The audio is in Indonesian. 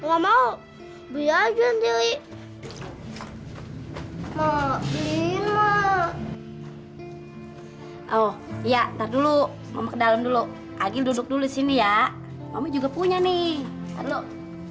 oh ya tak dulu mau ke dalam dulu agi duduk dulu sini ya kamu juga punya nih